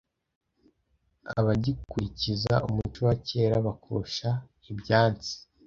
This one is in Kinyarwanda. Abagikurikiza umuco wa kera bakosha ibyansi